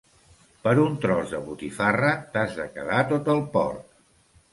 Per un tros de botifarra t'has de quedar tot el porc.